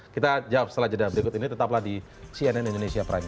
kita jawab setelah jeda berikut ini tetaplah di cnn indonesia prime news